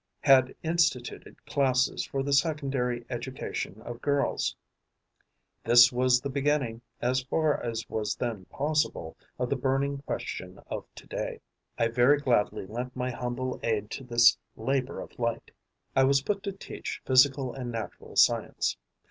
had instituted classes for the secondary education of girls. This was the beginning, as far as was then possible, of the burning question of to day. I very gladly lent my humble aid to this labour of light. I was put to teach physical and natural science.